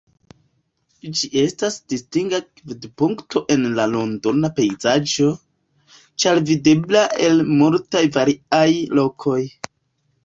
Ĝi estas distinga gvido-punkto en la londona pejzaĝo, ĉar videbla el multaj variaj lokoj.